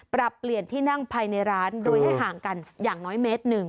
ปรับเปลี่ยนที่นั่งภายในร้านโดยให้ห่างกันอย่างน้อยเมตรหนึ่ง